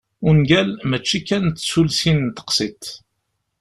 Ungal, mačči kan d tulsin n teqsiṭ.